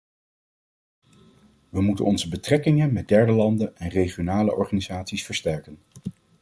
We moeten onze betrekkingen met derde landen en regionale organisaties versterken.